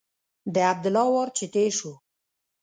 د عبدالله وار چې تېر شو.